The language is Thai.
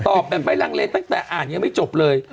ตอบกันไปรางเละตั้งแต่อ่านยังไม่จบเลย